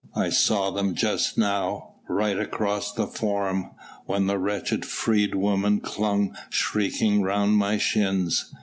I saw them just now, right across the Forum, when the wretched freedwoman clung shrieking round my shins.